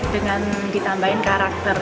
dengan ditambahin karakter